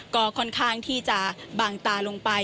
ก็ค่อนข้างที่จะบางตาลงไป